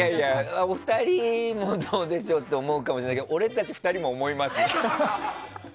お二人もどうでしょうって思うかもしれないですけど俺たち２人も思いますよ。